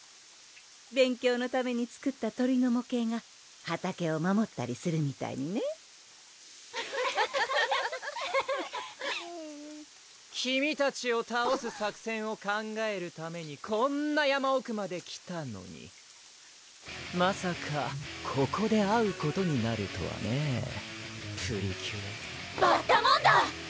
勉強のために作った鳥の模型が畑を守ったりするみたいにねアハハハハえる・君たちをたおす作戦を考えるために・こんな山奥まで来たのにまさかここで会うことになるとはねプリキュアバッタモンダー！